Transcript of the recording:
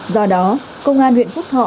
do đó công an huyện phúc thọ